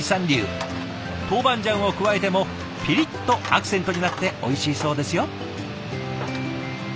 トウバンジャンを加えてもピリッとアクセントになっておいしいそうですよ。